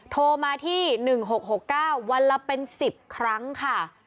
โทรมาที่๑๖๖๙วันละเป็น๑๐ครั้งค่ะ